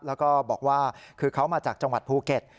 แล้วก็บอกว่าคือเขามาจากจังหวัดภูเก็ต